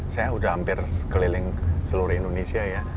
saya sudah hampir keliling seluruh indonesia ya